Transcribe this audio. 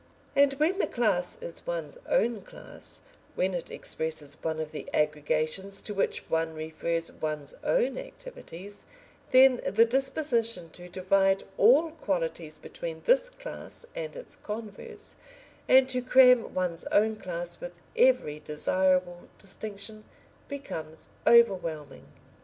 And when the class is one's own class, when it expresses one of the aggregations to which one refers one's own activities, then the disposition to divide all qualities between this class and its converse, and to cram one's own class with every desirable distinction, becomes overwhelming.